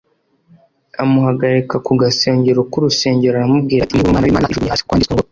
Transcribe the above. amuhagarika ku gasongero k’urusengero, aramubwira ati, “Niba uri Umwana w’Imana, ijugunye hasi kuko handitswe ngo